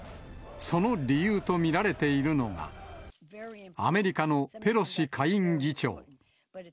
その理由と見られているのが、アメリカのペロシ下院議長。